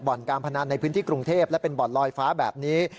การพนันในพื้นที่กรุงเทพและเป็นบ่อนลอยฟ้าแบบนี้